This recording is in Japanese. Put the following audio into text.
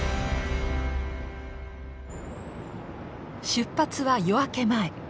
出発は夜明け前。